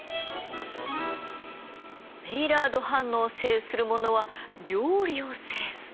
メイラード反応を制する者は料理を制す。